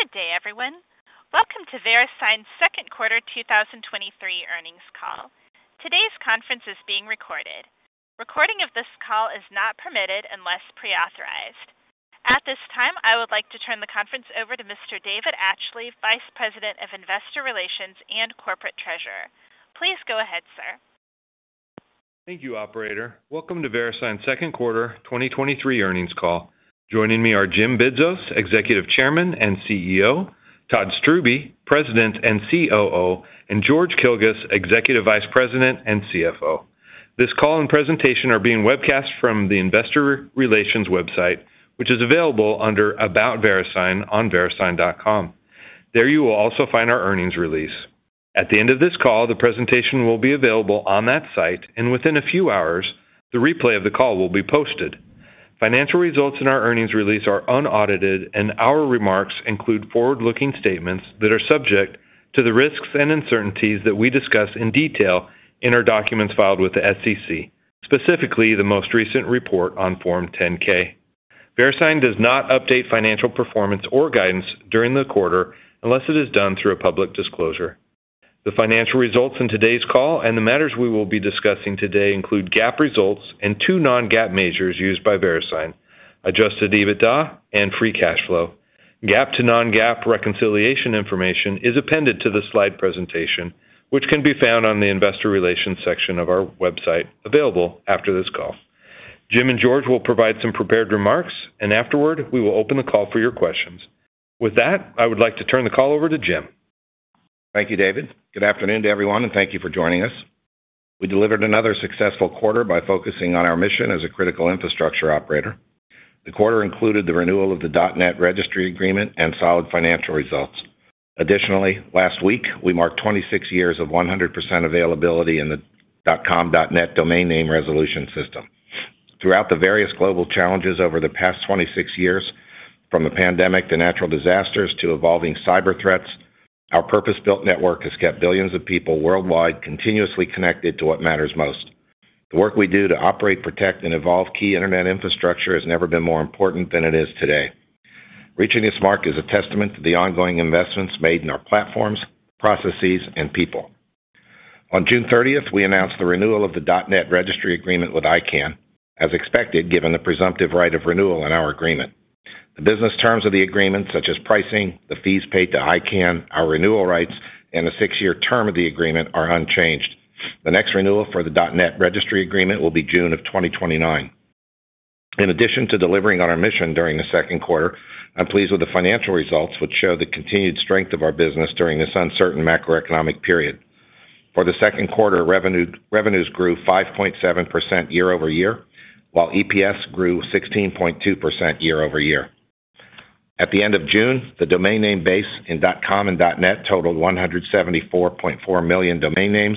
Good day, everyone. Welcome to Verisign's Q2 2023 earnings call. Today's conference is being recorded. Recording of this call is not permitted unless pre-authorized. At this time, I would like to turn the conference over to Mr. David Atchley, Vice President, Investor Relations and Corporate Treasurer. Please go ahead, sir. Thank you, Operator. Welcome to Verisign's second quarter 2023 earnings call. Joining me are Jim Bidzos, Executive Chairman and CEO, Todd Strubbe, President and COO, and George Kilguss, Executive Vice President and CFO. This call and presentation are being webcast from the Investor Relations website, which is available under About Verisign on Verisign.com. There you will also find our earnings release. At the end of this call, the presentation will be available on that site, and within a few hours, the replay of the call will be posted. Financial results in our earnings release are unaudited, and our remarks include forward-looking statements that are subject to the risks and uncertainties that we discuss in detail in our documents filed with the SEC, specifically the most recent report on Form 10-K. Verisign does not update financial performance or guidance during the quarter unless it is done through a public disclosure. The financial results in today's call and the matters we will be discussing today include GAAP results and two non-GAAP measures used by Verisign, adjusted EBITDA and free cash flow. GAAP to non-GAAP reconciliation information is appended to the slide presentation, which can be found on the Investor Relations section of our website, available after this call. Jim and George will provide some prepared remarks. Afterward, we will open the call for your questions. With that, I would like to turn the call over to Jim. Thank you, David. Good afternoon to everyone, and thank you for joining us. We delivered another successful quarter by focusing on our mission as a critical infrastructure operator. The quarter included the renewal of the .net registry agreement and solid financial results. Additionally, last week, we marked 26 years of 100% availability in the .com, .net domain name resolution system. Throughout the various global challenges over the past 26 years, from the pandemic to natural disasters to evolving cyber threats, our purpose-built network has kept billions of people worldwide continuously connected to what matters most. The work we do to operate, protect, and evolve key Internet infrastructure has never been more important than it is today. Reaching this mark is a testament to the ongoing investments made in our platforms, processes, and people. On June 30, we announced the renewal of the .net registry agreement with ICANN, as expected, given the presumptive right of renewal in our agreement. The business terms of the agreement, such as pricing, the fees paid to ICANN, our renewal rights, and the 6-year term of the agreement are unchanged. The next renewal for the .net registry agreement will be June 2029. In addition to delivering on our mission during the Q2, I'm pleased with the financial results, which show the continued strength of our business during this uncertain macroeconomic period. For the Q2, revenues grew 5.7% year-over-year, while EPS grew 16.2% year-over-year. At the end of June, the domain name base in .com and .net totaled 174.4 million domain names,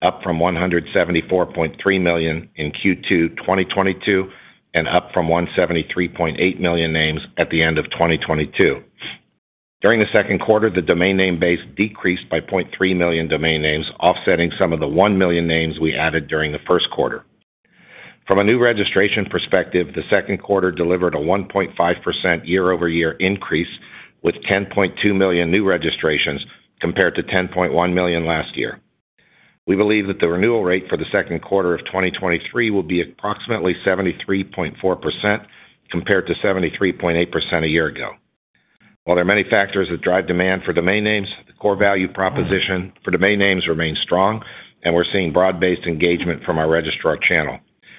up from 174.3 million in Q2 2022, and up from 173.8 million names at the end of 2022. During the Q2, the domain name base decreased by 0.3 million domain names, offsetting some of the 1 million names we added during the Q1. From a new registration perspective, the Q2 delivered a 1.5% year-over-year increase, with 10.2 million new registrations, compared to 10.1 million last year. We believe that the renewal rate for Q2 2023 will be approximately 73.4%, compared to 73.8% a year ago. While there are many factors that drive demand for domain names, the core value proposition for domain names remains strong, and we're seeing broad-based engagement from our registrar channel.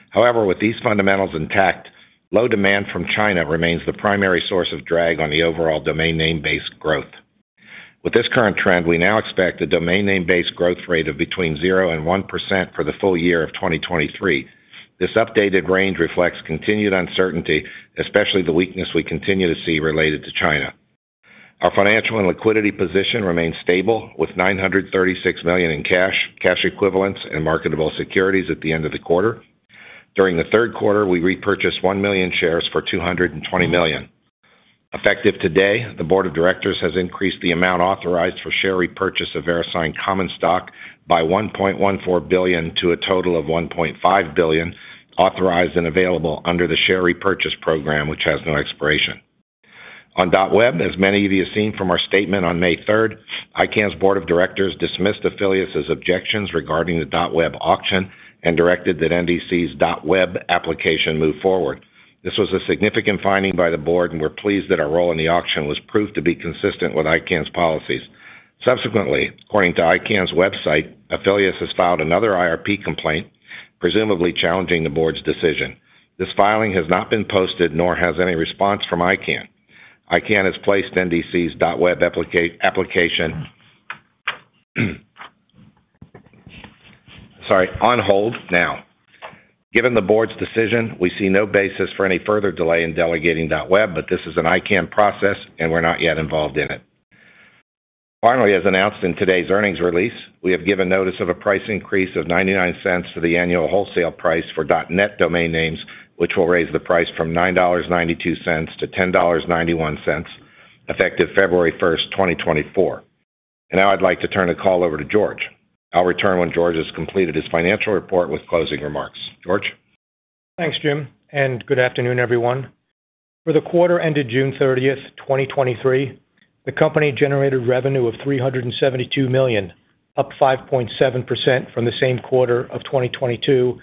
However, with these fundamentals intact, low demand from China remains the primary source of drag on the overall domain name-based growth. With this current trend, we now expect a domain name-based growth rate of between 0% and 1% for the full year of 2023. This updated range reflects continued uncertainty, especially the weakness we continue to see related to China. Our financial and liquidity position remains stable, with $936 million in cash, cash equivalents, and marketable securities at the end of the quarter. During the Q3, we repurchased 1 million shares for $220 million. Effective today, the board of directors has increased the amount authorized for share repurchase of Verisign common stock by $1.14 billion to a total of $1.5 billion, authorized and available under the share repurchase program, which has no expiration. On .web, as many of you have seen from our statement on May third, ICANN's board of directors dismissed Afilias's objections regarding the .web auction and directed that NDC's .web application move forward. This was a significant finding by the board, and we're pleased that our role in the auction was proved to be consistent with ICANN's policies. Subsequently, according to ICANN's website, Afilias has filed another IRP complaint, presumably challenging the board's decision. This filing has not been posted nor has any response from ICANN. ICANN has placed NDC's .web application, sorry, on hold now. Given the board's decision, we see no basis for any further delay in delegating .web, but this is an ICANN process, and we're not yet involved in it. Finally, as announced in today's earnings release, we have given notice of a price increase of $0.99 to the annual wholesale price for .net domain names, which will raise the price from $9.92 to $10.91, effective February 1, 2024. Now I'd like to turn the call over to George. I'll return when George has completed his financial report with closing remarks. George? Thanks, Jim, and good afternoon, everyone. For the quarter ended June 30, 2023, the company generated revenue of $372 million, up 5.7% from the same quarter of 2022.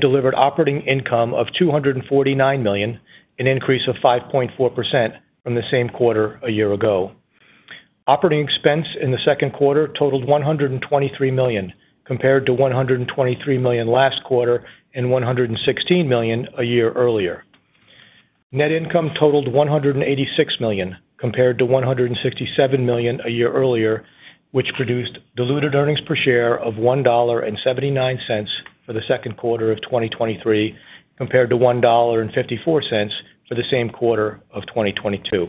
Delivered operating income of $249 million, an increase of 5.4% from the same quarter a year ago. Operating expense in the second quarter totaled $123 million, compared to $123 million last quarter and $116 million a year earlier. Net income totaled $186 million, compared to $167 million a year earlier, which produced diluted earnings per share of $1.79 for the Q3 of 2023, compared to $1.54 for the same quarter of 2022.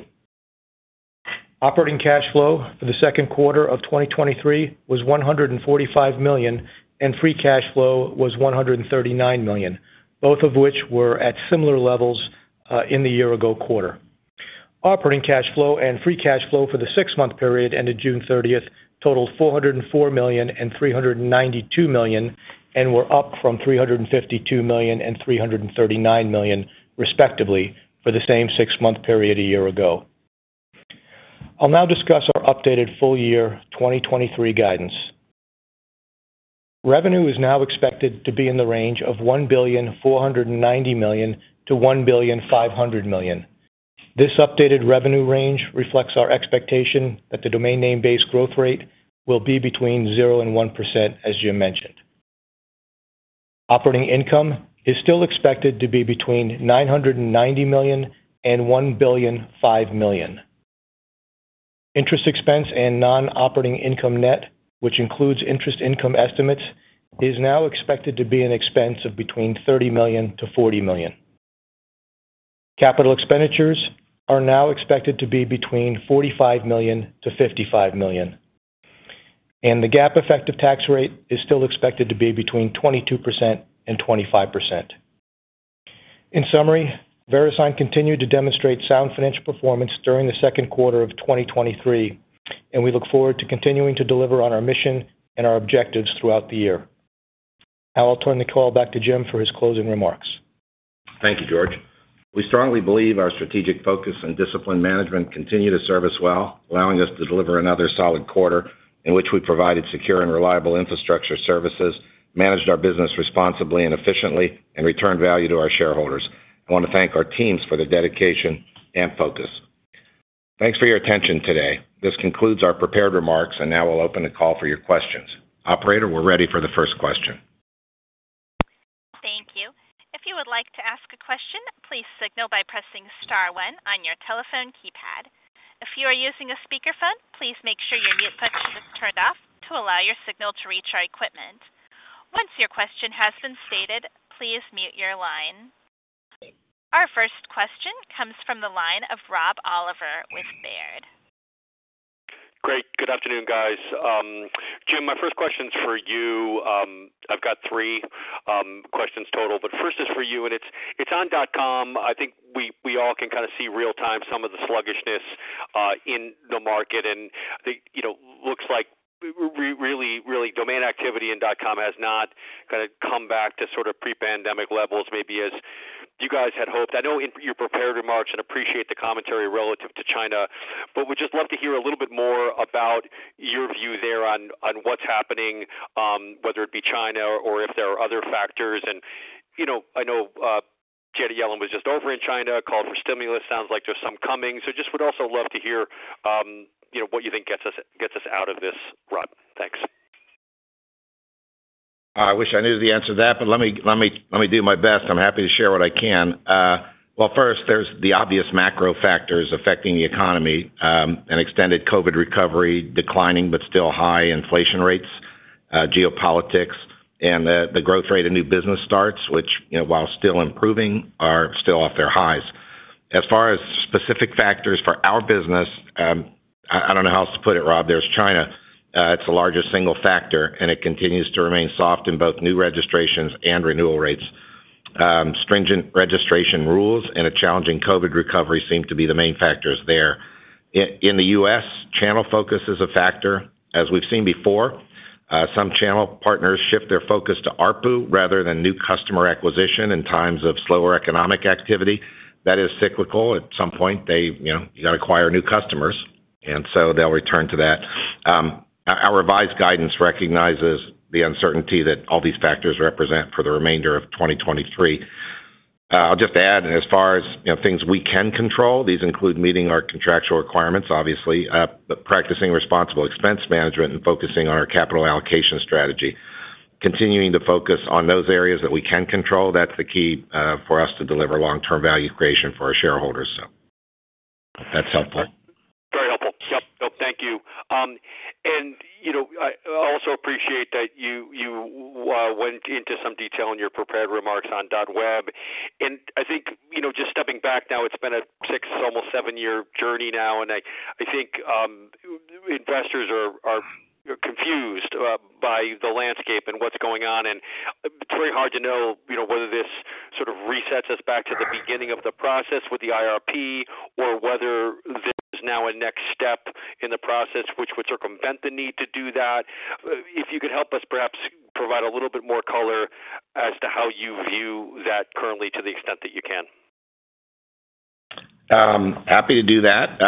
Operating cash flow for the Q2 of 2023 was $145 million, and free cash flow was $139 million, both of which were at similar levels in the year-ago quarter. Operating cash flow and free cash flow for the six-month period ended June 30, totaled $404 million and $392 million, and were up from $352 million and $339 million, respectively, for the same six-month period a year ago. I'll now discuss our updated full year 2023 guidance. Revenue is now expected to be in the range of $1.49 billion-$1.5 billion. This updated revenue range reflects our expectation that the domain name base growth rate will be between 0%-1%, as Jim mentioned. Operating income is still expected to be between $990 million and $1,005 million. Interest expense and non-operating income net, which includes interest income estimates, is now expected to be an expense of between $30 million to $40 million. Capital expenditures are now expected to be between $45 million to $55 million, and the GAAP effective tax rate is still expected to be between 22% and 25%. In summary, Verisign continued to demonstrate sound financial performance during Q2 2023, and we look forward to continuing to deliver on our mission and our objectives throughout the year. Now I'll turn the call back to Jim for his closing remarks. Thank you, George. We strongly believe our strategic focus and discipline management continue to serve us well, allowing us to deliver another solid quarter in which we provided secure and reliable infrastructure services, managed our business responsibly and efficiently, and returned value to our shareholders. I want to thank our teams for their dedication and focus. Thanks for your attention today. This concludes our prepared remarks, and now we'll open the call for your questions. Operator, we're ready for the first question. Thank you. If you would like to ask a question, please signal by pressing star one on your telephone keypad. If you are using a speakerphone, please make sure your mute button is turned off to allow your signal to reach our equipment. Once your question has been stated, please mute your line. Our first question comes from the line of Rob Oliver with Baird. Great. Good afternoon, guys. Jim, my first question is for you. I've got three questions total, but first is for you, and it's, it's on .com. I think we, we all can kind of see real time some of the sluggishness in the market. I think, you know, looks like really, really domain activity in .com has not kind of come back to sort of pre-pandemic levels, maybe as you guys had hoped. I know in your prepared remarks and appreciate the commentary relative to China, but would just love to hear a little bit more about your view there on, on what's happening, whether it be China or if there are other factors. You know, I know Janet Yellen was just over in China, called for stimulus. Sounds like there's some coming. Just would also love to hear, you know, what you think gets us, gets us out of this rut. Thanks. I wish I knew the answer to that, but let me do my best. I'm happy to share what I can. Well, first, there's the obvious macro factors affecting the economy, an extended COVID recovery, declining but still high inflation rates, geopolitics, and the growth rate of new business starts, which, you know, while still improving, are still off their highs. As far as specific factors for our business, I, I don't know how else to put it, Rob. There's China. It's the largest single factor, and it continues to remain soft in both new registrations and renewal rates. Stringent registration rules and a challenging COVID recovery seem to be the main factors there. In the U.S., channel focus is a factor. As we've seen before, some channel partners shift their focus to ARPU rather than new customer acquisition in times of slower economic activity. That is cyclical. At some point, they, you know, you got to acquire new customers, and so they'll return to that. Our, our revised guidance recognizes the uncertainty that all these factors represent for the remainder of 2023. I'll just add, as far as, you know, things we can control, these include meeting our contractual requirements, obviously, but practicing responsible expense management and focusing on our capital allocation strategy. Continuing to focus on those areas that we can control, that's the key, for us to deliver long-term value creation for our shareholders. If that's helpful. Very helpful. Yep. Thank you. You know, I also appreciate that you, you went into some detail in your prepared remarks on .web. I think, you know, just stepping back now, it's been a 6, almost 7-year journey now, and I, I think investors are, are confused by the landscape and what's going on. It's very hard to know, you know, whether this sort of resets us back to the beginning of the process with the IRP or whether this is now a next step in the process, which would circumvent the need to do that. If you could help us, perhaps provide a little bit more color as to how you view that currently, to the extent that you can. Happy to do that.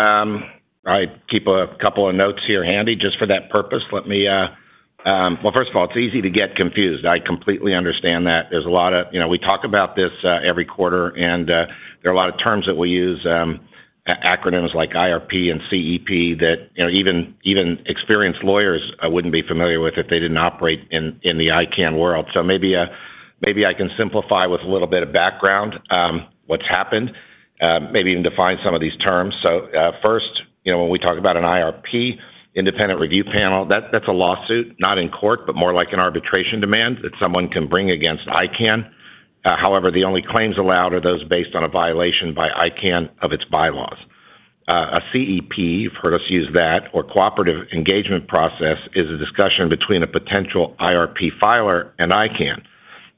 I keep a couple of notes here handy just for that purpose. Let me, well, first of all, it's easy to get confused. I completely understand that there's a lot of, you know, we talk about this every quarter, and there are a lot of terms that we use, acronyms like IRP and CEP, that, you know, even experienced lawyers wouldn't be familiar with if they didn't operate in the ICANN world. So maybe, maybe I can simplify with a little bit of background, what's happened, maybe even define some of these terms. So, first, you know, when we talk about an IRP, Independent Review Panel, that's a lawsuit, not in court, but more like an arbitration demand that someone can bring against ICANN. However, the only claims allowed are those based on a violation by ICANN of its bylaws. A CEP, you've heard us use that, or Cooperative Engagement Process, is a discussion between a potential IRP filer and ICANN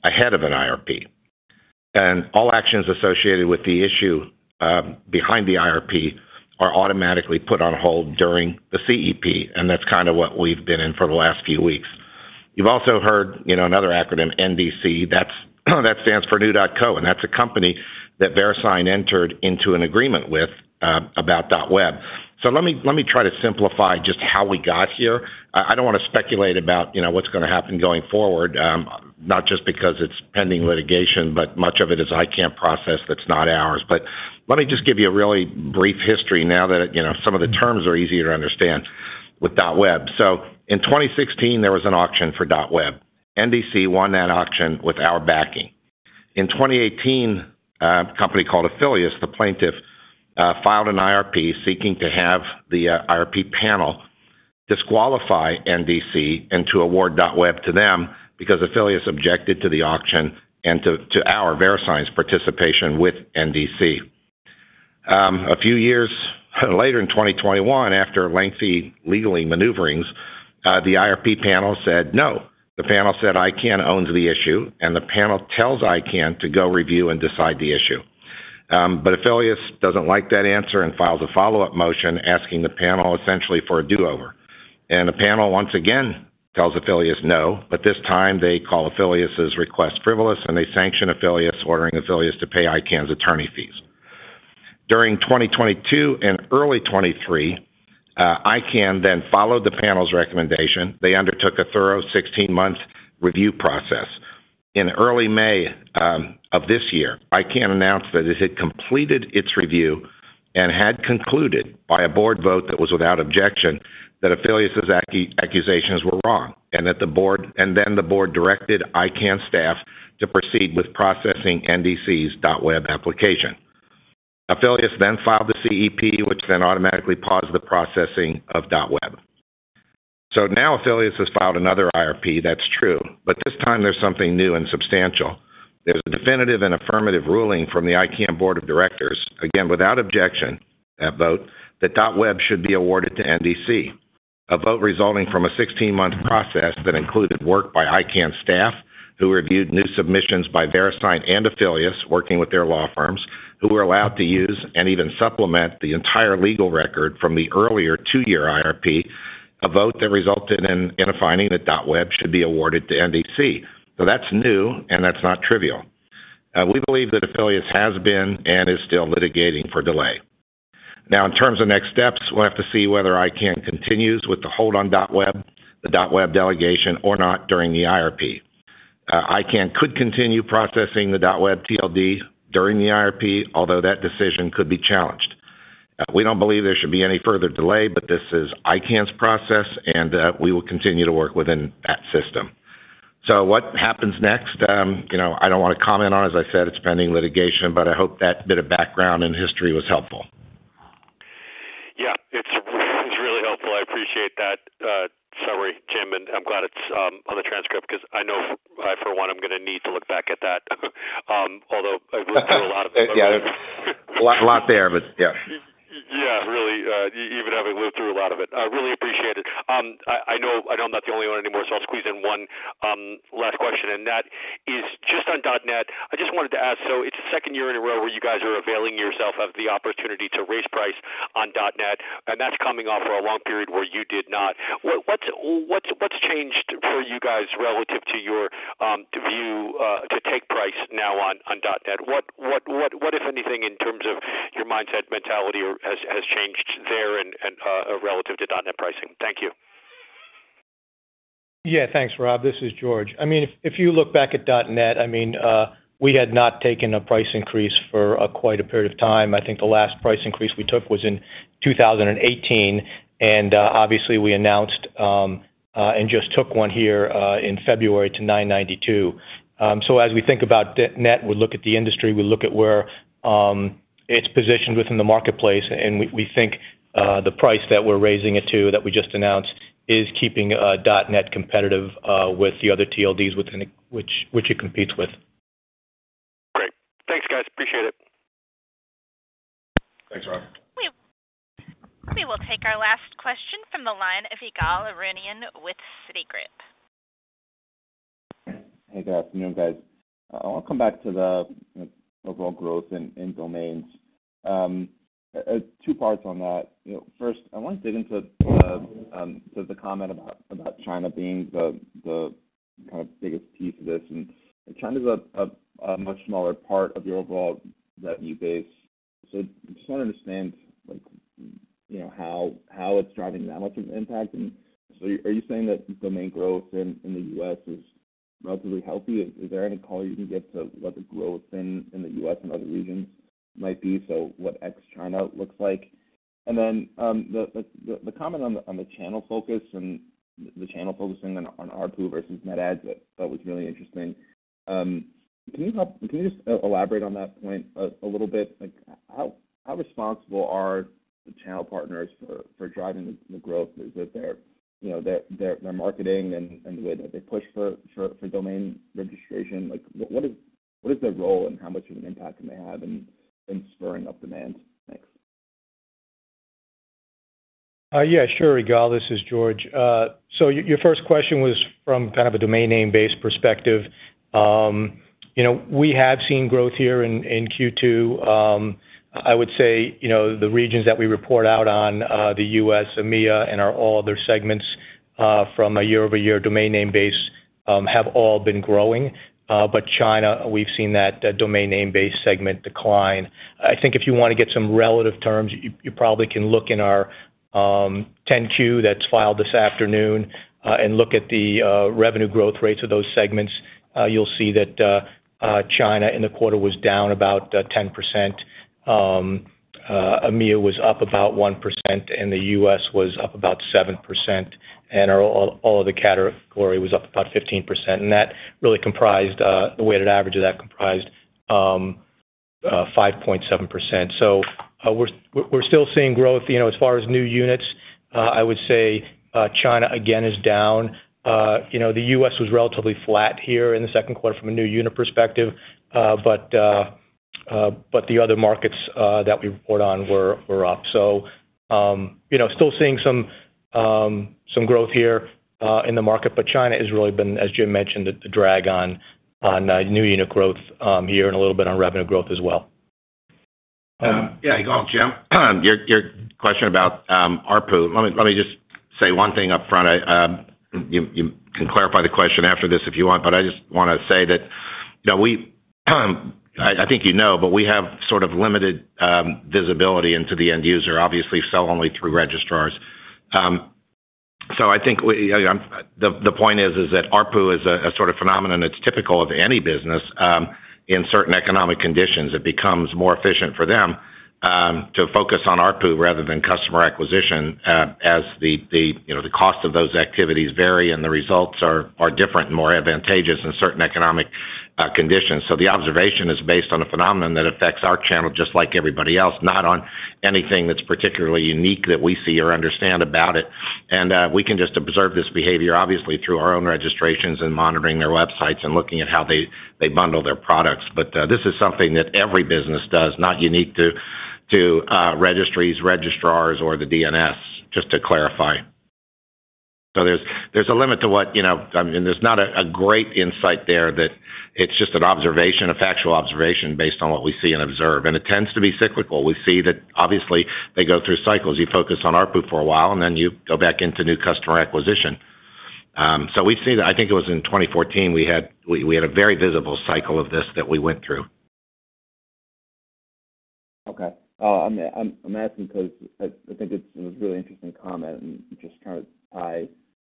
ahead of an IRP. All actions associated with the issue behind the IRP are automatically put on hold during the CEP, and that's kind of what we've been in for the last few weeks. You've also heard, you know, another acronym, NDC. That's, that stands for New.co, and that's a company that Verisign entered into an agreement with about .web. Let me, let me try to simplify just how we got here. I, I don't want to speculate about, you know, what's gonna happen going forward, not just because it's pending litigation, but much of it is ICANN process that's not ours. Let me just give you a really brief history now that, you know, some of the terms are easier to understand with .web. In 2016, there was an auction for .web. NDC won that auction with our backing. In 2018, a company called Afilias, the plaintiff, filed an IRP seeking to have the IRP panel disqualify NDC and to award .web to them because Afilias objected to the auction and to, to our Verisign's participation with NDC. A few years later, in 2021, after lengthy legally maneuverings, the IRP panel said, "No." The panel said, "ICANN owns the issue, and the panel tells ICANN to go review and decide the issue." Afilias doesn't like that answer and files a follow-up motion asking the panel essentially for a do-over. The panel once again tells Afilias no, but this time they call Afilias's request frivolous, and they sanction Afilias, ordering Afilias to pay ICANN's attorney fees. During 2022 and early 2023, ICANN then followed the panel's recommendation. They undertook a thorough 16-month review process. In early May of this year, ICANN announced that it had completed its review and had concluded by a board vote that was without objection, that Afilias's accusations were wrong, and that the board directed ICANN staff to proceed with processing NDC's .web application. Afilias then filed the CEP, which then automatically paused the processing of .web. Now Afilias has filed another IRP, that's true, but this time there's something new and substantial. There's a definitive and affirmative ruling from the ICANN board of directors, again, without objection, that vote, that .web should be awarded to NDC. A vote resulting from a 16-month process that included work by ICANN staff, who reviewed new submissions by Verisign and Afilias, working with their law firms, who were allowed to use and even supplement the entire legal record from the earlier 2-year IRP, a vote that resulted in a finding that .web should be awarded to NDC. That's new, and that's not trivial. We believe that Afilias has been and is still litigating for delay. Now, in terms of next steps, we'll have to see whether ICANN continues with the hold on .web, the .web delegation or not during the IRP. ICANN could continue processing the .web TLD during the IRP, although that decision could be challenged. We don't believe there should be any further delay, but this is ICANN's process, and we will continue to work within that system. What happens next? You know, I don't want to comment on. As I said, it's pending litigation, but I hope that bit of background and history was helpful. Yeah, it's, it's really helpful. I appreciate that summary, Jim. I'm glad it's on the transcript because I know, I, for one, I'm gonna need to look back at that. Although I've looked at a lot of it. Yeah, a lot, lot there, but yeah. Yeah, really, even having lived through a lot of it. I really appreciate it. I, I know, I know I'm not the only one anymore, so I'll squeeze in one last question, and that is just on .net. I just wanted to ask, so it's the second year in a row where you guys are availing yourself of the opportunity to raise price on .net, and that's coming off for a long period where you did not. What, changed for you guys relative to your view to take price now on, on .net? What, if anything, in terms of your mindset, mentality, has, has changed there and, and, relative to .net pricing? Thank you. Yeah, thanks, Rob. This is George. I mean, if, if you look back at .net, I mean, we had not taken a price increase for quite a period of time. I think the last price increase we took was in 2018, and obviously we announced, and just took one here, in February to $9.92. As we think about .net, we look at the industry, we look at where it's positioned within the marketplace, and we, we think, the price that we're raising it to, that we just announced, is keeping, .net competitive, with the other TLDs within-- which, which it competes with. Great. Thanks, guys. Appreciate it. Thanks, Rob. We will take our last question from the line of Yigal Nochomovitz with Citigroup. Hey, good afternoon, guys. I want to come back to the overall growth in, in domains. Two parts on that. You know, first, I want to dig into the, the comment about, about China being the, the kind of biggest piece of this, and China is a, a, a much smaller part of your overall revenue base. I just want to understand, like, you know, how, how it's driving that much of impact. Are you saying that domain growth in, in the U.S. is relatively healthy? Is, is there any color you can get to what the growth in, in the U.S. and other regions might be? What X China looks like. The, the, the comment on the, on the channel focus and the channel focusing on, on ARPU versus net ads, I thought was really interesting. Can you just elaborate on that point a little bit? Like, how responsible are the channel partners for driving the growth? Is it their, you know, their marketing and the way that they push for domain registration? Like, what is their role and how much of an impact can they have in spurring up demand? Thanks. Yeah, sure, Gal, this is George. Your first question was from kind of a domain name base perspective. You know, we have seen growth here in Q2. I would say, you know, the regions that we report out on, the U.S., EMEA, and our all other segments, from a year-over-year domain name base, have all been growing. China, we've seen that domain name base segment decline. I think if you want to get some relative terms, you, you probably can look in our 10-Q that's filed this afternoon and look at the revenue growth rates of those segments. You'll see that China in the quarter was down about 10%. EMEA was up about 1%, the U.S. was up about 7%, all, all of the category was up about 15%, that really comprised, the weighted average of that comprised, 5.7%. We're, we're still seeing growth, you know, as far as new units. I would say, China, again, is down. You know, the U.S. was relatively flat here in the Q2 from a new unit perspective, the other markets that we report on were, were up. You know, still seeing some, some growth here, in the market, but China has really been, as Jim mentioned, the, the drag on, on, new unit growth, here, and a little bit on revenue growth as well. Yeah. Jim. Your, your question about ARPU. Let me, let me just say one thing up front. You, you can clarify the question after this if you want, but I just want to say that, you know, we, I, I think you know, but we have sort of limited visibility into the end user, obviously, sell only through registrars. I think we, I, the, the point is, is that ARPU is a, a sort of phenomenon that's typical of any business. In certain economic conditions, it becomes more efficient for them to focus on ARPU rather than customer acquisition, as the, the, you know, the cost of those activities vary, and the results are, are different and more advantageous in certain economic conditions. The observation is based on a phenomenon that affects our channel just like everybody else, not on anything that's particularly unique that we see or understand about it. We can just observe this behavior, obviously, through our own registrations and monitoring their websites and looking at how they, they bundle their products. This is something that every business does, not unique to, to registries, registrars, or the DNS, just to clarify. There's, there's a limit to what, you know, I mean, there's not a, a great insight there, that it's just an observation, a factual observation based on what we see and observe, and it tends to be cyclical. We see that obviously they go through cycles. You focus on ARPU for a while, and then you go back into new customer acquisition. We see that. I think it was in 2014, we had, we, we had a very visible cycle of this that we went through. Okay. I'm, I'm asking because I, I think it's a really interesting comment, and just kind of tie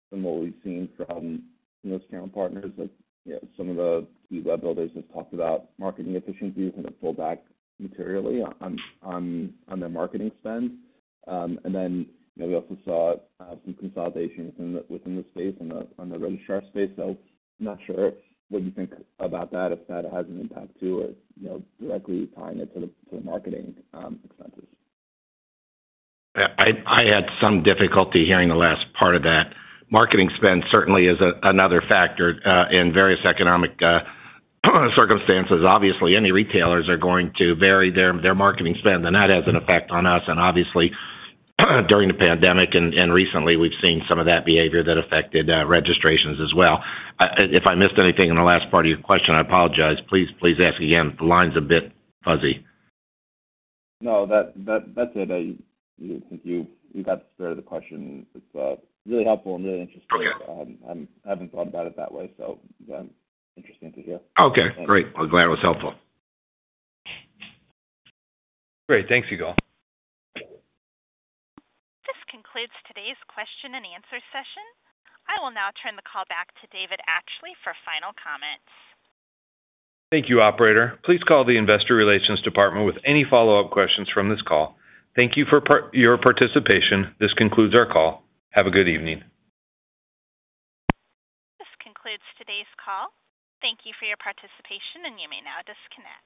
from what we've seen from those channel partners, like, you know, some of the key web builders have talked about marketing efficiency kind of pull back materially on, on, on their marketing spend. Then we also saw some consolidation within the, within the space, on the, on the registrar space. I'm not sure what you think about that, if that has an impact too, or, you know, directly tying it to the, to the marketing, expenses. I had some difficulty hearing the last part of that. Marketing spend certainly is another factor in various economic circumstances. Obviously, any retailers are going to vary their, their marketing spend, and that has an effect on us. Obviously, during the pandemic and, and recently, we've seen some of that behavior that affected registrations as well. If I missed anything in the last part of your question, I apologize. Please, please ask again. The line's a bit fuzzy. No, that, that, that's it. I think you, you got the spirit of the question. It's really helpful and really interesting. Okay. I haven't thought about it that way, so, interesting to hear. Okay, great. Well, glad it was helpful. Great. Thanks, Yigal. This concludes today's question and answer session. I will now turn the call back to David Atchley for final comments. Thank you, operator. Please call the Investor Relations department with any follow-up questions from this call. Thank you for your participation. This concludes our call. Have a good evening. This concludes today's call. Thank you for your participation, and you may now disconnect.